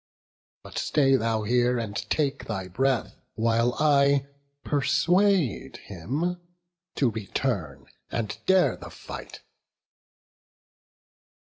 But stay thou here and take thy breath, while I Persuade him to return and dare the fight."